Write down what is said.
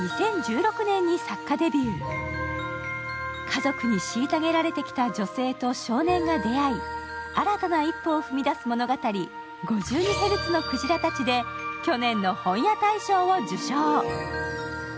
家族に虐げられてきた女性と少年が出会い新たな一歩を踏み出す物語「５２ヘルツのクジラたち」で去年の本屋大賞を受賞。